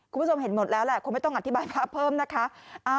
คุณผู้ชมเห็นหมดแล้วแหละคงไม่ต้องอธิบายพระเพิ่มนะคะ